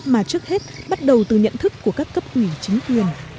mà trước hết bắt đầu từ nhận thức của các cấp ủy chính quyền